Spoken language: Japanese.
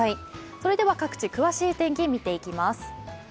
それでは各地、詳しい天気見ていきます。